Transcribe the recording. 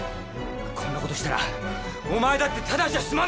こんな事したらお前だってタダじゃ済まないんだぞ！